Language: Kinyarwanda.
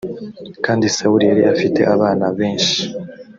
kandi sawuli yari afite abana benci